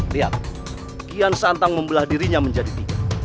lihat kian santang membelah dirinya menjadi tiga